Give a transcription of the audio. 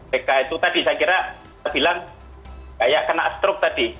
deka itu tadi saya kira kita bilang kayak kena stroke tadi